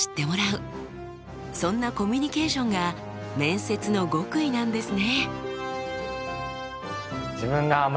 そんなコミュニケーションが面接の極意なんですね。